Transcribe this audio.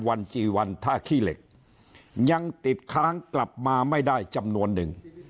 วันจีวันท่าขี้เหล็กยังติดค้างกลับมาไม่ได้จำนวนหนึ่ง